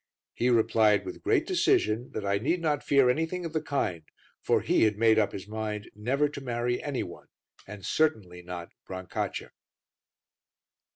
He replied with great decision that I need not fear anything of the kind, for he had made up his mind never to marry any one, and certainly not Brancaccia.